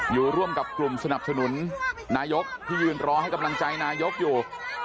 ร่วมกับกลุ่มสนับสนุนนายกที่ยืนรอให้กำลังใจนายกอยู่